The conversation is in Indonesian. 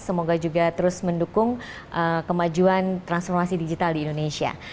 semoga juga terus mendukung kemajuan transformasi digital di indonesia